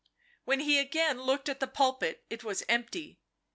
when he again looked at the pulpit it was empty.